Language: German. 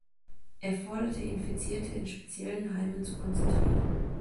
Er forderte, Infizierte „in speziellen Heimen zu konzentrieren“.